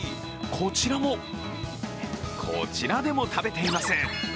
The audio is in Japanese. こちらもこちらでも食べています。